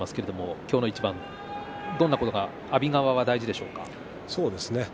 今日の一番どんなことが阿炎は大事でしょうか。